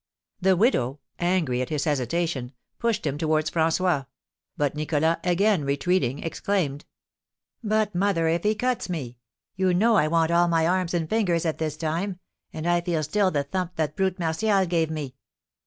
The widow, angry at his hesitation, pushed him towards François; but Nicholas, again retreating, exclaimed: "But, mother, if he cuts me? You know I want all my arms and fingers at this time, and I feel still the thump that brute Martial gave me."